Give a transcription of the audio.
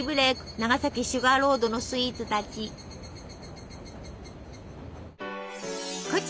長崎シュガーロードのスイーツたち。